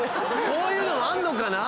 そういうのあんのかな。